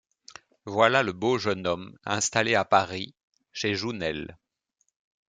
Voilà le beau jeune homme installé à Paris, chez Jounel.